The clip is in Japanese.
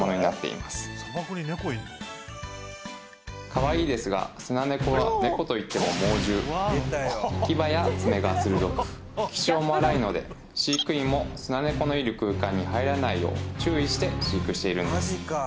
かわいいですがスナネコはネコといっても猛獣牙や爪が鋭く気性も荒いので飼育員もスナネコのいる空間に入らないよう注意して飼育しているんです